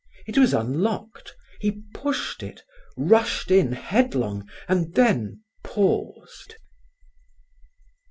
It was unlocked; he pushed it, rushed in headlong and then paused.